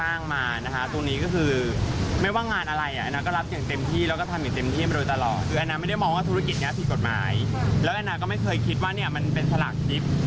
แอนาก็ไม่เคยคิดว่ามันเป็นสลักทริป